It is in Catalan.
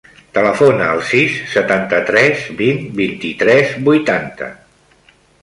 Telefona al sis, setanta-tres, vint, vint-i-tres, vuitanta.